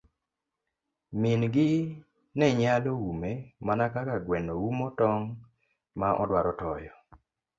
Min gi nenyalo ume mana kaka gweno umo tong' ma odwaro toyo.